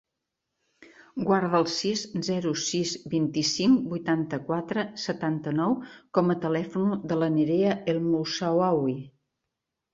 Guarda el sis, zero, sis, vint-i-cinc, vuitanta-quatre, setanta-nou com a telèfon de la Nerea El Moussaoui.